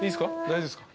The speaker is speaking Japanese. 大丈夫っすか？